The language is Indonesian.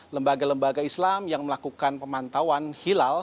lembaga lembaga islam yang melakukan pemantauan hilal